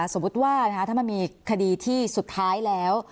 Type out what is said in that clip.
สมมุติว่าถ้ามันมีคดีที่สุดท้ายแล้ว